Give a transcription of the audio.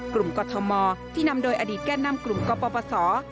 กลุ่มกฎมอร์ที่นำโดยอดีตแก้นนำกลุ่มกปปสอร์